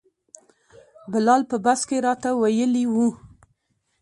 بلال په بس کې راته ویلي وو.